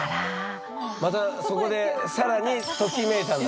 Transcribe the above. またそこで更にときめいたんだ。